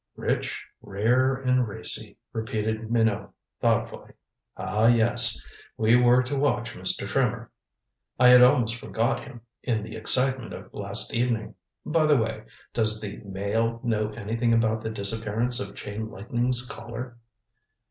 '" "Rich, rare and racy," repeated Minot thoughtfully. "Ah, yes we were to watch Mr. Trimmer. I had almost forgot him in the excitement of last evening. By the way, does the Mail know anything about the disappearance of Chain Lightning's Collar?"